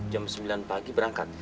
jam sembilan pagi berangkat